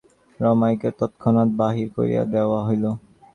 রমাইকে তৎক্ষণাৎ বাহির করিয়া দেওয়া হইল।